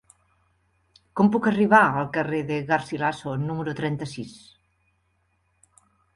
Com puc arribar al carrer de Garcilaso número trenta-sis?